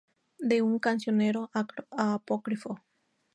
De un cancionero apócrifo".